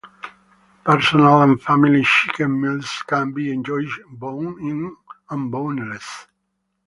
Personal and family chicken meals can be enjoyed bone-in and boneless.